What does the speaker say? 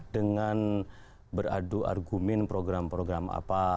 dengan beradu argumen program program apa